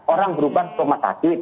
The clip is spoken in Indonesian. orang berubah ke rumah sakit